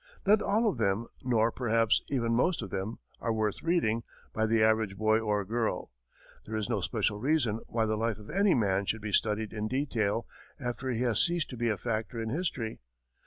Not all of them, nor, perhaps, even most of them are worth reading by the average boy or girl. There is no especial reason why the life of any man should be studied in detail after he has ceased to be a factor in history.